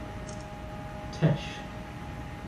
Tesch.